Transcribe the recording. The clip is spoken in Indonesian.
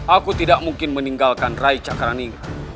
aku tidak mungkin meninggalkan rai cakaraning